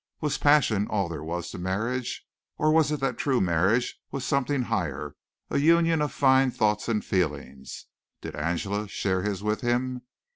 Was passion all there was to marriage? Or was it that true marriage was something higher a union of fine thoughts and feelings? Did Angela share his with him?